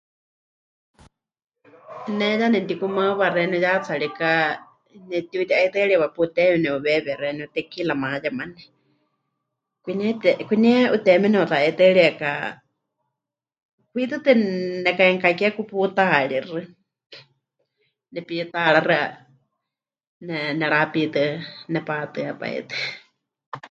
Ne ya memɨtikumaɨwa xeeníu yatsarika, nepɨtiuti'aitɨ́ariwa puteyu nepɨweewie xeeníu tequila mayemane, kwinie te... kwinie 'uteewime ne'uta'aitɨ́arieka kwi tɨtɨ neka'enukakeku putaaríxɨ, nepitaaráxi, ne... nerapiitɨ nepatɨa pai tɨ.